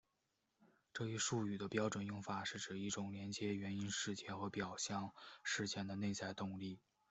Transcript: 这一术语的标准用法是指一种连接原因事件和表象事件的内在动力。